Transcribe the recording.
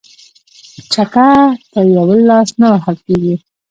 ـ چکه په يوه لاس نه وهل کيږي.